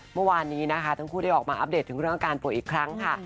เมื่อวานนี้นะคะทั้งคู่ได้ออกมาอัปเดตถึงเรื่องอาการป่วยอีกครั้งค่ะ